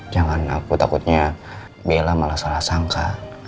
jangan aku takutnya bella malah salah sangka